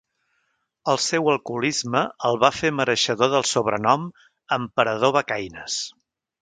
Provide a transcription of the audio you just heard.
El seu alcoholisme el va fer mereixedor del sobrenom "Emperador becaines".